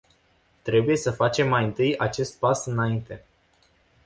Trebuie să facem mai întâi acest pas înainte.